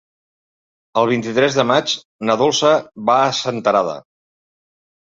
El vint-i-tres de maig na Dolça va a Senterada.